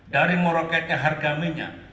dari meroketnya harga minyak